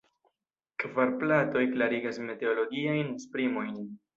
Kvar platoj klarigas meteologiajn esprimojn.